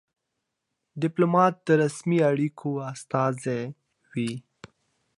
ډيپلومات د رسمي اړیکو استازی وي.